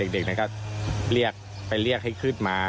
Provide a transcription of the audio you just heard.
เด็กนั้นก็เรียกไปเรียกให้ขึ้นมา